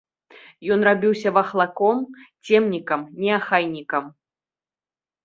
Ён рабіўся вахлаком, цемнікам, неахайнікам.